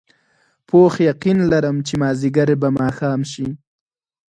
پوخ یقین لرم چې مازدیګر به ماښام شي.